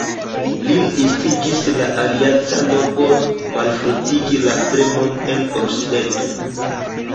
Lin instigis la aliancanoj por malfortigi la premon en okcidento.